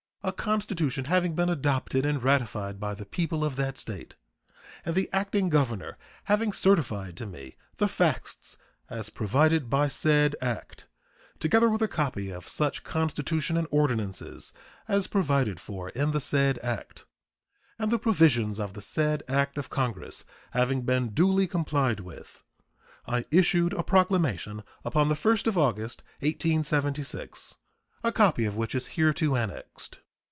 A constitution having been adopted and ratified by the people of that State, and the acting governor having certified to me the facts as provided by said act, together with a copy of such constitution and ordinances as provided for in the said act, and the provisions of the said act of Congress having been duly complied with, I issued a proclamation upon the 1st of August, 1876, a copy of which is hereto annexed.